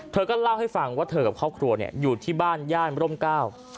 เธอก็เล่าให้ฟังว่าเธอกับครอบครัวเนี่ยอยู่ที่บ้านย่านร่มเก้า